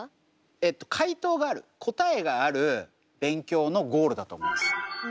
えっと解答がある答えがある勉強のゴールだと思います。